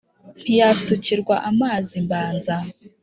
Ntiyasukirwa amazi mbanza